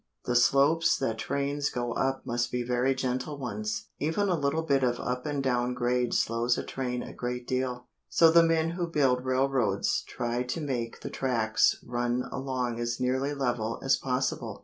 The slopes that trains go up must be very gentle ones. Even a little bit of up and down grade slows a train a great deal. So the men who build railroads try to make the tracks run along as nearly level as possible.